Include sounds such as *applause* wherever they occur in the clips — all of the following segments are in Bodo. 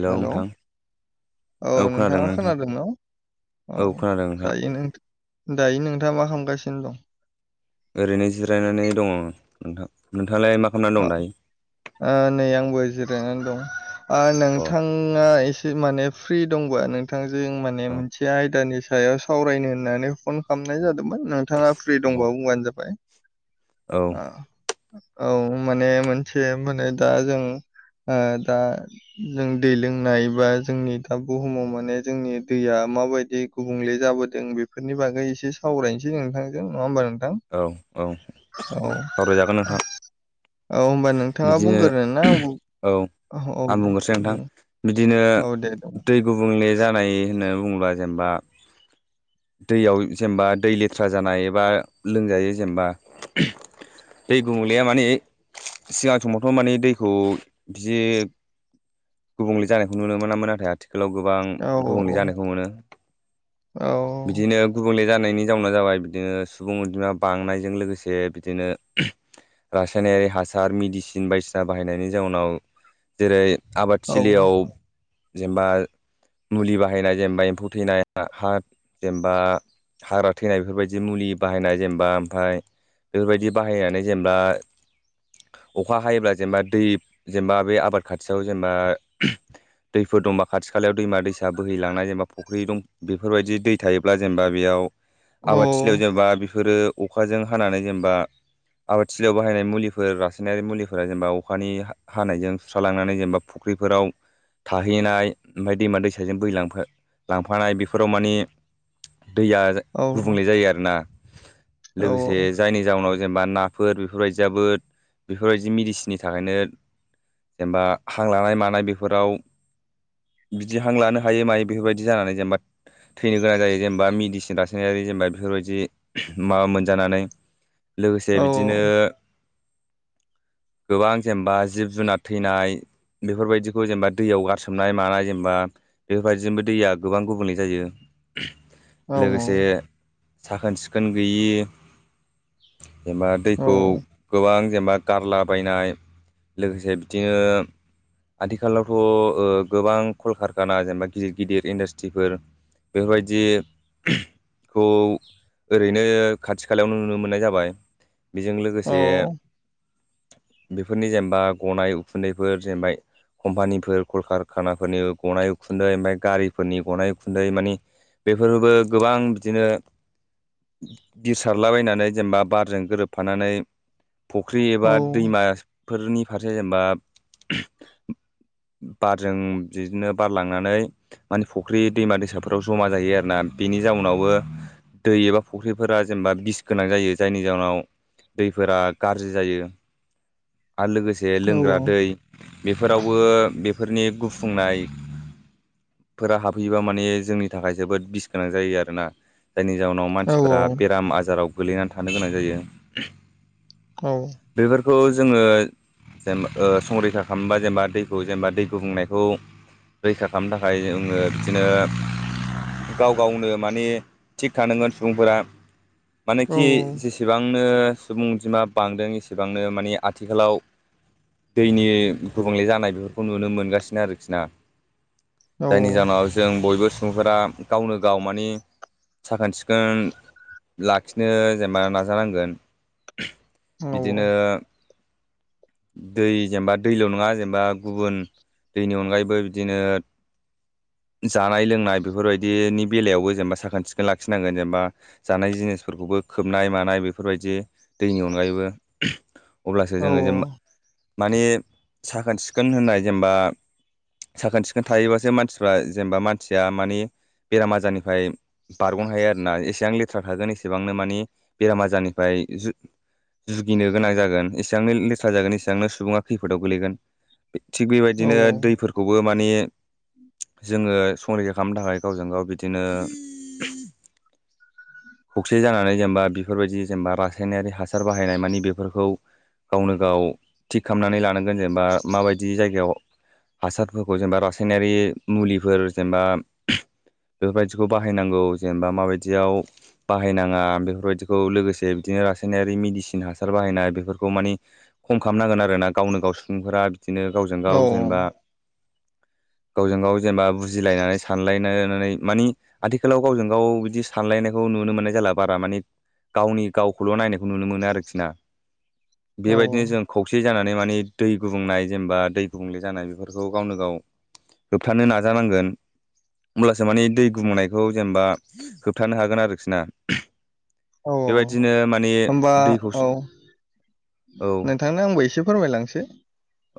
हेलौ नोंथां! औ नोंथाङा खोनादों न' औ खोनादों नोंथां दायो नों दायो नों दा मा खालामगासिनो दं? ओरैनो जिरायनानै दङ नोंथां। नोंथाङालाय मा खालामनानै अ दं दायो आ नै आंबो जिरायनानै दं। आ अ नोंथाङा एसे माने फ्रि दंबा नोंथांजों माने औ मोनसे आयदानि सायाव सायाव सावरायनो होननानै फन खालामनाय जादोंमोन नोंथाङा फ्रि दंबा बुंबानो जाबाय। औ। ओ औ माने मोनसे माने दा जों। ओं दा जों दै लोंनाय बा जोंनि दा बुहुमाव माने जोंनि दैया माबायदि गुबुंले जाबोदों बेफोरनि बागै एसे सावरायनोसै जों नोंथांजों नङा होमबा नों औ औ औ। सावरायजागोन नोंथां औ होमबा नोंथाङा बिदिनो बुंग्रो ना आं बुं औ आं बुंग्रोसै नोंथां औ बिदिनो औ दे दे दै गुबुंले जानाय होनना बुङोब्ला जेनेबा दैयाव जेनेबा दै लेथ्रा जानाय बा लोंजायै जेनेबा दै गुबुंलेया माने सिगां समावथ' माने दैखौ बिदि गुबुंले जानायखौ नुनो मोनामोना आथि आथिखालाव गोबां औ गुबुंले औ जानायखौ मोनो औ बिदिनो गुबुंले जा जानायनि जाउना जाबाय बिदिनो सुबुं अनजिमा बांनायजों लोगोसे बिदिनो रासायनारि हा हासार मेदिसिन बायदिसिना बाहायनायनि जाउनाव जेरै औ आबादथिलियाव जेनबा मुलि बाहायनाय जेनेबा एम्फौ थैनाय हा-हा जेनबा हाग्रा थैनाय बेफोरबायदि मुलि बाहायनाय जेनेबा ओमफ्राय बेफोरबायदि बाहायनानै जेनेबा अखा हायोब्ला जेनेबा दै जेनेबा बे आबाद खाथियाव जेनेबा दैफोर दंबा खाथि खालायाव दैमा दैसा बोहैलांनाय जेनेबा फुख्रि दं बेफोरबायदि दै थायोब्ला जेनेबा बेयाव औ आबाद थिलियाव जेनेबा बेफोरो अखाजों हानानै जेनेबा आबाद थिलियाव बाहायनाय मुलि फोर रासायनारि मुलिफोर जेनेबा अखानि हा-हानायजों सुस्रालांनानै जेनेबा फुख्रिफोराव थाहैनाय ओमफ्राय दैमा दैसाजों बोहै लांफा-लांफानाय बेफोराव मानि दैया औ औ गुबुंले जायो आरो ना। लोगोसे जायनि जाउनाव जेनेबा नाफोर बेफोरबायदियाबो बेफोरबायदि मेडिसिननि थाखायनो जेनेबा हां लानाय मानाय बेफोराव। बिदि हां लानो हायो मायो बेफोरबायदि जानानै जेनेबा। थैनो गोनां जायो जेनेबा मेडिसिन लासायारि जेनेबा बेफोरबायदि माबा मोनजानानै। लोगोसे बिदिनो। *inaudible* बुंथिगिरिनि जेबो खोनानो मोननाय जायाखै। गोबां जेनेबा जिब जुनार थैनाय। बेफोरबायदिखौ जेनेबा दैयाव गारसोमनाय मानाय जेनेबा बेफोरबायदिजोंबो दैया गोबां गुबुंलै जायो। औ लोगोसे साखोन सिखोन गैयि। एबा औ दैखौ गोबां। जेनेबा गारला बायनाय लोगोसे बिदिनो। आथिखालावथ' गोबां कलकारखाना जेनेबा गिदिर गिदिर इन्डास्ट्रिफोर। बेफोरबायदिखौ। ओरैनो खाथि खालायावनो नुनो मोननाय जाबाय बेजों लोगोसे *inaudible* बुंथिगिरिनि जेबो खोनानो मोननाय जायाखै। बेफोरनि जेनेबा गनाय उखुन्दैफोर जेनेबा। कम्पानिफोर कलकारखानाफोरनि गनाय उखुन्दै ओमफ्राय गारिफोरनि गनाय उखुन्दै मानि। बेफोरबो गोबां बिदिनो। दिसारलाबायनानै जेनेबा बारजों गोरोबफानानै। फुख्रि औ एबा दैमाफोरनि फारसे जेनेबा। बारजों बिदिनो बारलांनानै माने फुख्रि दैमा दैसाफोराव जमा जायो आरोना। बिनि जाउनावबो दै एबा फुख्रिफोरा जेनेबा बिस गोनां जायो जायनि जाउनाव। दैफोरा गाज्रि जायो आरो लोगोसे लोंग्रा दै बेफोरावबो। फोरनि गुफुंनाय। फोर हाबहैयोबा माने जोंनि थाखाय जोबोद बिस गोनां जायो आरोना। जायनि जााहनाव मानसिफोरा बेराम आजाराव गोलैनानै थानो गोनां जायो। औ खौ जोङो जेनबा संरैखा खालामोबा जेनेबा दैखौ जेनेबा दै गुबुंनायखौ। रैखा खालामनो थाखाय जोङो बिदिनो। गाव गावनो माने थिग थानांगोन सुबुंफोरा। मानेखि औ जेसेबांनो सुबुं बिमा बांदों एसेबांनो माने आथिखालाव। दैनि गुबुंले जानाय बेफोरखौ नुनो मोनगासिनो आरोखि ना। औ जायनि औ जाहोनाव जों बयबो सुबुंफोरा गावनो गाव माने। साखोन सिखोन लाखिनो जेनेबा नाजानांगोन। औ बिदिनो दै जेनेबा दैल' नङा जेनेबा गुबुन। दैनि अनगायैबो बिदिनो। *inaudible* बुंथिगिरिनि जेबो खोनानो मोननाय जायाखै। जानाय लोंनाय बेफोरबायदिनि बेलायावबो जेनेबा साखोन सिखोन लाखिनांगोन जेनेबा जानाय जिनिसफोरखौबो बो खोबनाय मानाय बेफोरबायदि दैनि अनगायैबो अब्लासो औ जोङो जेनबा माने साखोन सिखोन होननाय जेनेबा साखोन सिखोन थायोबासो मानसिफ्रा जेनेबा मानसिया माने बेराम आजारनिफ्राय बारग'नो हायो आरोना एसेबां लेथ्रा थागोन एसेबांनो मानि बेराम आजारनिफ्राय जुगिनो गोनां जागोन एसेबांनो लेथ्रा जागोन इसेबांनो सुबुङा खैफोदाव गोलैगोन थिग औ बेबायदिनो दैफोरखौबो माने जोङो संरैखा खालामनो थाखाय गावजों गाव बिदिनो खौसे जानानै जेनेबा बेफोरबायदि जेनेबा रासायनारि हासार बाहायनाय मानि बेफोरखौ गावनो गाव थिग खालामनानै लानांगोन जेनेबा माबायदि जायगायाव हासारफोरखौ जेनेबा रासायनारि मुलिफोर जेनेबा बेफोरबायदिखौ बाहायनांगौ जेनेबा माबायदियाव बाहायनाङा बेफोरबायदिखौ लोगोसे बिदिनो रासायनारि मेडिसिन हासार बाहायनाय बेफोरखौ मानि खम खालामनांगोन आरो ना गावनो गाव सुबुंफोरा। बिदिनो गावजों औ गाव जेनेबा *unintelligible* गावजों गाव जेनेबा बुजिलायनानै सानलायनानै मानि आथिखालाव गावजों गाव बिदि सानलायनायखौ नुनो मोननाय जला बारा माने गावनि गावखौल' नायखौ नुनो मोनो आरोखि ना। औ बेबायदिनो जों खौसे जानानै माने दै गुबुंनाय जेनेबा दै गुबुंले जानाय बेफोरखौ गावनो गाव होबथानो नाजानांगोन। अब्लासो माने दै गुबुंनायखौ जेनेबा होबथानो हागोन आरोखि ना। औ बेबायदिनो माने होमबा दैखौ औ औ नोंथांनो आंबो एसे फोरमायलांसै।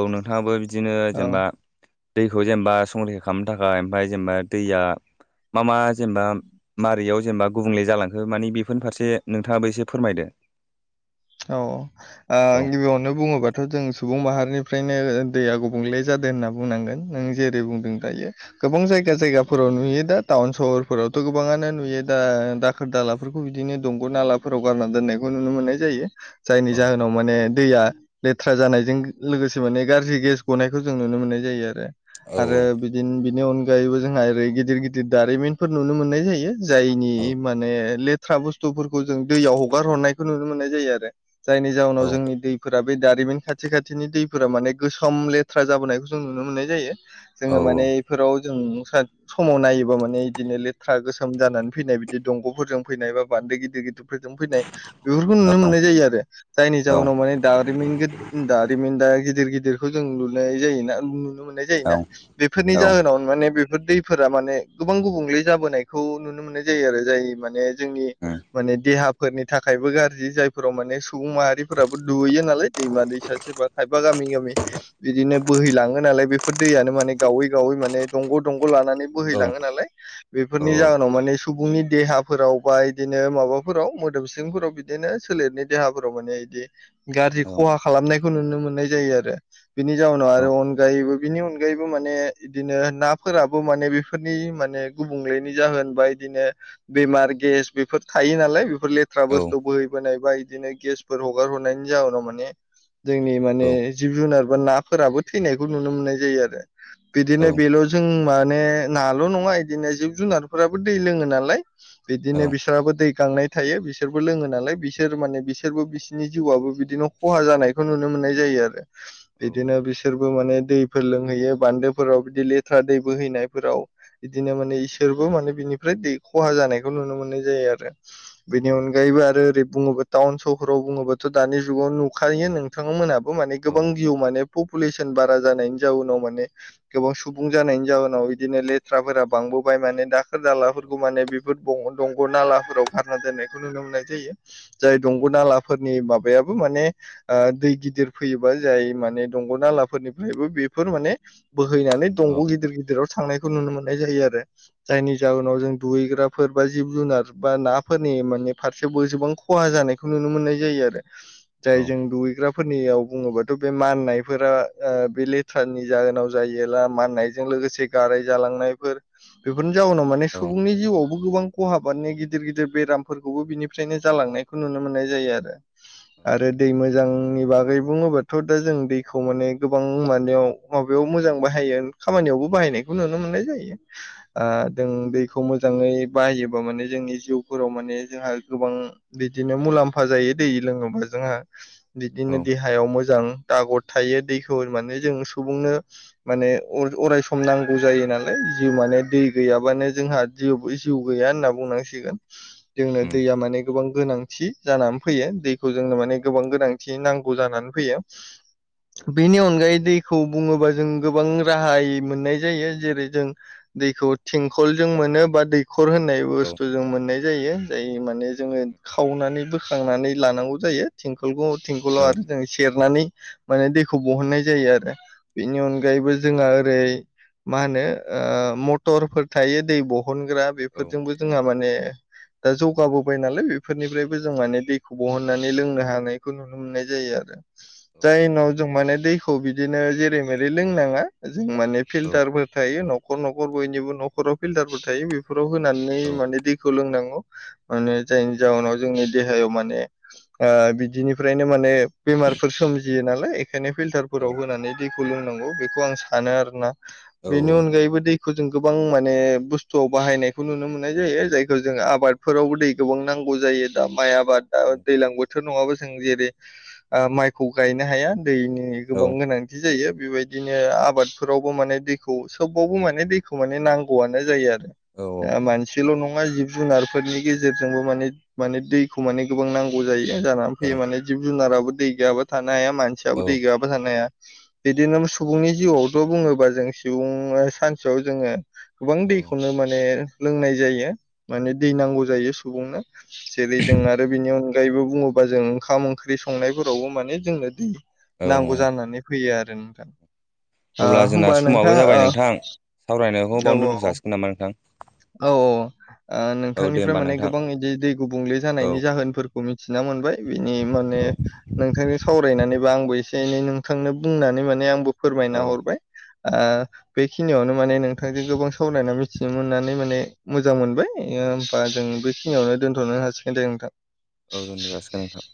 औ नोंथाङाबो बिदिनो औ जेनेबा दैखौ जेनेबा संरैखा खालामनो थाखाय ओमफ्राय जेनेबा दैया मा मा जेनेबा मारैयाव जेनेबा गुबुंले जालांखो माने बेफोरनि फारसे नोंथाङाबो एसे फोरमायदो। औ ओ औ गिबियावनो बुङोबाथ' जों सुबुं माहारिनिफ्रायनो दैया गुब बुंले जादों होनना बुंनांगोन। नों जेरै बुंदों दायो, गोबां जायगा जायगाफोराव नुयो दा टाउन सहर सरफोरावथ' गोबाङानो नुयो दा दाखोर दालाफोरखौ बिदिनो दंग' नालाफोराव गारना दोननायखौ नुनो मोननाय जायो। जायनि औ जाहोनाव माने दैया लेथ्रा जानायजों लोगोसे माने गाज्रि गेस गनायखौ जों नुनो मोननाय जायो आरो। औ आरो बिदिनो बिनि अनगायैबो जोंहा ओरै गिदिर गिदिर दारिमिनफोर नुनो मोननाय जायो। जायनि औ माने लेथ्रा बुस्थुफोरखौ जों दैयाव हगार हरनायखौ नुनो मोननाय जायो आरो। जायनि जावनाव जोंनि दैफोरा बे दारिमिन खाथि खाथिनि दैफोरा माने गोसोम लेथ्रा जाबोनायखौ जों नुनो मोननाय जायो। जोङो औ माने बेफोराव जों समाव नायोबा माने बिदिनो लेथ्रा गोसोम जानानै फैनाय बिदि दंग'फोरजों फैनाय बा गिदिर गिदिरफोरजों फैनाय बेफोरखौ नुनो मोननाय जायो आरो। जायनि औ जाउनाव माने दारिमिन गो दारिमिन दा गिदिर गिदिर दिदखौ जों लुनाय जायोना नुनो मोननाय जायोना, बेफोरनि औ जाहोनाव माने बे बेफोर दैफोरा माने गोबां गुबुंले जाबोनायखौ नुनो मोननाय जायो आरो जाय माने जोंनि माने देहाफोरनि थाखायबो गाज्रि जायफोराव माने सुबुं माहारिफोराबो दुगैयो नालाय दैमा दैसा सोरबा खायफा गामि गामि बिदिनो बोैलाङो नालाय बेफोर दैयानो माने गावै गावै माने दंग' दं' लानानै बोहैलाङो नालाय, बेफोरनि जाहोनाव माने सुबुंनि देहाफोराव बा बिदिनो माबाफोराव मोदोम सिंफोराव बिदिनो सोलेरनि देहाफोराव माने बिदि गाज्रि खहा खालामनायखौ नुनो मोननाय जायो आरो। बिनि जाउनाव आरो अनगायैबो बिनि अनगायैबो माने बिदिनो नाफोराबो माने बेफोरनि माने गुबुंलेनि जाहोनबा बिदिनो बेमार गेस बेफोर थायो नालाय फोर लेथ्रा बुस्थु बोहैबोनाय बा इदिनो गेसफोर हगार हरनायनि जाउनाव माने जोंनि माने जिब जुनार बा नाफोराबो थैनायखौ नुनो मोननाय जायो आरो‌। बिदिनो बेल' जों माने नाल' नङा बिदिनो जिब जुनारफोराबो दै लोङो नालाय, बिदिनो बिसोराबो दै गां नाय थायो बिसोरबो लोङो नालाय बिसोर माने बिसोरबो बिसोरनि जिवाबो बिदिनो खहा जानायखौ नुनो मोननाय जायो आरो। बिदिनो बिसोरबो मान दैफोर लोंहैयो बान्दोफोराव बिदि लेथ्रा दै बोहैनायफोराव बिदिनो माने इसोरबो मा बिनिफ्राय दै खहा जानायखौ नुनो मोननाय जायो आरो। बेनि अनगायैबो आरो ओरै बुङोबा टाउन सहराव बुङोबाथ' दानि जुगाव नुखायो नोंथां मोनहाबो माने गोबां जिउ माने पपुलेसन बारा जानायनि जाउनाव माने गोबां सुबुं जानायनि जाहोनाव बिदिनो लेथ्राफोरा बां बोबाय माने दाखोर दालाफोरखौ माने बेफोर बंग दंग' नालाफोराव गारना दोननायखौ नुनो मोननाय जायो। जाय दंग' नालाफोरनि माबायाबो माने दै गिदिर फैयोबा जाय माने दंग'नाला फोरफ्रायबो बेफोर माने बोहैनानै दंग गिदिर गिदिराव थांनाय खौ नुनो मोननाय जायो आरो जायनि जाहोनाव जों दुगैग्राफोर बा जिब जुनार बा नाफोरनि फारसे बां खहा जानायखौ नुनो मोननाय जायो आरो जाय जों दुगैग्राफोरनियाव बुङोबाथ' बे माननायफोरा बे लेथ्रानि जाहोनाव जायोब्ला माननायजों लोगोसे गार जालांनायफोर बेफोरनि जाउनाव माने सुबुंनि जिउआवबो गोबां खहा बानायनाय गिदिर गिदिर बेरामफोरखौबो बिनिफ्रायनो जालांनाय बेखौ नुनो मोननाय जायो आरो आरो दै मोजां नि बागै बुङोबाथ' दा जों दैखौ माने गोबां माव माबायाव मोजां बाहायो खामानि बाहायनायखौ नुनो मोननाय जायो जों दै खौ मोजाङै बाहायोबा माने जोंनि जिउफोराव माने जोंहा गोबां बिदिनो मुलाम्फा जायो दै लोङोबा जोंहा बिदिनो देहायाव मोजां थायो दैखौ माने जों सुबुंनो माने अराय सम नांगौ जायो नालाय जिउ माने दै गैयाबानो जोंहा जिउ गैया होनना बुंनांसिगोन जोंनो दैया माने गोबां गोनांथि जानानै फैयो दैखौ जोंनो औ माने गोबां गोनांथि नांगौ जानानै फैयो औ बिनि अनगायै दैखौ दैखौ बुङोबा जों गोबां राहायै मोननाय जायो जेरै जों दैखौ थिंखलजों मोन मोनो बा दैखर होननाय औ बुस्थु जों मोननाय जायो जाय माने जोङो खावनानै बोखांनानै लानांगौ जायो थिंखलखौ थिंखलाव औ आरो जों सेरनानै माने दैखौ बहननाय जायो आरो बेनि अनगायैबो जोंहा ओरै मा होनो मथरफोर थायो दै बह बहनग्रा औ बेफोरजोंबो जोंहा माने दा जौगाबो बाय नालाय बेफोरनिफ्रायबो जों माने दैखौ बहननानै लोंनो हानायखौ नुनो मोननाय जायो आरो औ जायनाव जों माने दैखौ बिदिनो जेरै मेरै लोंनाङा जों माने औ फिल्टारफोर थायो न'खर न'खर बयनिबो न'खराव फिल्टारफोर थायो बेफोर होनानै औ माने दैखौ लोंनांगौ माने जायनि जाउनाव जोंनि देहायाव माने बिदिनिफ्रायनो माने बेमारफोर सोमजियो नालाय फिल्टारफोराव औ होनानै दैखौ लोंनांगौ बेखौ आं सानो आरोना बेनि अनगायैबो दैखौ जों गोबां माने बुस्थुआव बाहायनायखौ नुनो मोननाय जायो जायखौ जों आबाद फोरावबो दै गोबां नांगौ जायो दा माइ आबादा दैज्लां बोथोर नङाबा जों जेरै माय माइखौ गायनो हाया दैनि गोबां गोनांथि जायो बेबायदिनो आबादफोरावबो माने दैखौ सोबावबो माने दैखौ माने नांगौआनो जायो आरो दा मानसिल' नङा जिब जुनार बेफोरनि गेजेरजोंबो माने माने दैखौ माने गोबां नांगौ जायो जानानै फैयो माने जिब जुनाराबो दै गैयाबा थानो हाया मानसियाबो दै गैयाबा थानो हाया बिदिनो सुबुंनि जिउआवथ' बुङोबा जों सुबुंआ सानसेयाव जोङो गोबां औ दैखौनो माने लोंनाय जायो माने दै नांगौ जायो सुबुंनो जेरै जों आरो बिनि अनगायैबो बुङोबा जों ओंखाम ओंख्रि संनाय फोरावबो माने जोंनो दै औ नांगौ जानानै फैयो आरो नोंथां। ओ अब्ला जोंना होमबा समाबो नोंथां जाबाय औ नोंथां सावरायनायखौ बावनो दोनथ' औ जासिगोन नामा नोंथां औ औ ओ औ दे होमबा नोंथांनि नोंथां गोबां इदि दै गुबुंले औ जानायनि जाहोनफोरखौ मिथिना मोनबाय बिनि माने औ नोंथांजों सावरायनानैबा आंबो एसे एनै नोंथांनो बुंनानै माने आंबो औ फोरमायना हरबाय ओ बेखिनियावनो माने नोंथांजों गोबां सावरायना मिथिनो मोननानै माने मोजां मोनबाय ओ बा जों बेखिनियावनो दोनथ'नो हासिगोन दे नोंथां औ दोनथ जासिगोन नोंथां